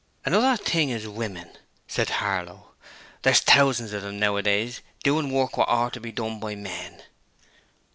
'Another thing is women,' said Harlow, 'there's thousands of 'em nowadays doin' work wot oughter be done by men.'